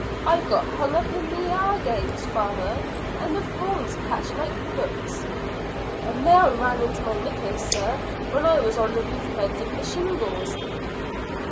"I got hung up in the agaves, father, and the thorns catch like hooks." "A nail ran into my knicks, sir, when I was on the roof mending the shingles."